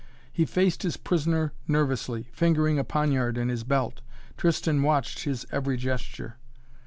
He faced his prisoner nervously, fingering a poniard in his belt. Tristan watched his every gesture.